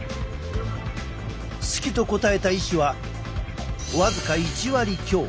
好きと答えた医師は僅か１割強。